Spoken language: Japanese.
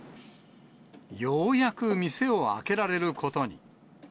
ようやく店を開けられることに。